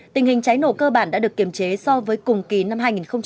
tình hình cháy nổ cơ bản đã được kiểm chế so với cùng kỳ năm hai nghìn một mươi chín